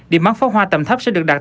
điểm bắn pháo hoa tầm thấp sẽ được đặt